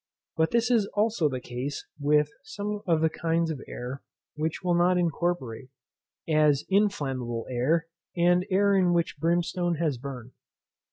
But this is also the case with some of the kinds of air which will not incorporate, as inflammable air, and air in which brimstone has burned.